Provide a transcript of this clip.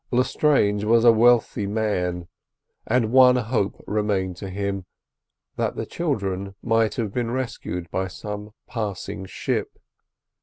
Lestrange was a wealthy man, and one hope remained to him, that the children might have been rescued by some passing ship.